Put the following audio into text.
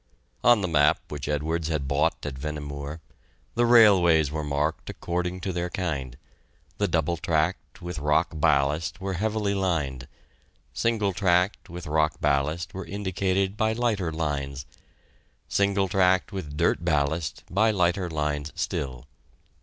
On the map which Edwards had bought at Vehnemoor, the railways were marked according to their kind: the double tracked, with rock ballast, were heavily lined; single tracked with rock ballast, were indicated by lighter lines; single tracked, with dirt ballast, by lighter lines still.